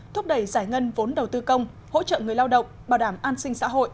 thúc đẩy giải ngân vốn đầu tư công hỗ trợ người lao động bảo đảm an sinh xã hội